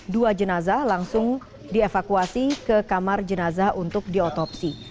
dua jenazah langsung dievakuasi ke kamar jenazah untuk diotopsi